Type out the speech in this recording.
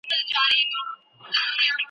تښتولی له شته منه یې آرام وو ,